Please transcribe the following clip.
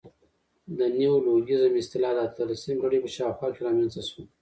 د نیولوګیزم اصطلاح د اتلسمي پېړۍ په شاوخوا کښي رامنځ ته سوه.